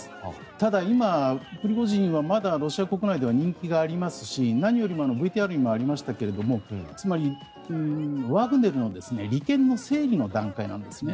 ただ、今、プリゴジン氏はまだロシア国内では人気がありますし何よりもＶＴＲにもありましたがつまり、ワグネルの利権の整理の段階なんですね。